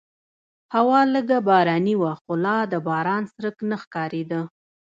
هوا لږه باراني وه خو لا د باران څرک نه ښکارېده.